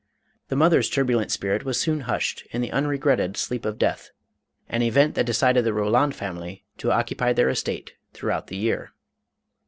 The mother's turbulent spirit was soon hushed in the unregretted sleep of death; an event that decided the Roland family to occupy their estate throughout the year.